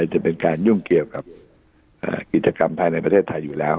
จะเป็นการยุ่งเกี่ยวกับกิจกรรมภายในประเทศไทยอยู่แล้ว